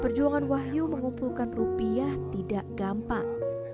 perjuangan wahyu mengumpulkan rupiah tidak gampang